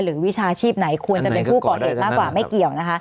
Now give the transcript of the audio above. วิชาชีพไหนควรจะเป็นผู้ก่อเหตุมากกว่าไม่เกี่ยวนะคะ